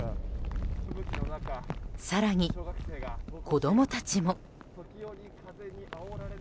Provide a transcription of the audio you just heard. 更に子供たちも。